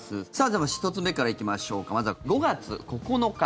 では、１つ目から行きましょうかまずは５月９日。